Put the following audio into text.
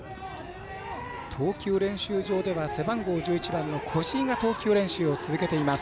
投球練習場では背番号１１番の越井が投球練習を続けています。